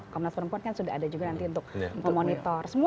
komnas perempuan kan sudah ada juga nanti untuk memonitor semua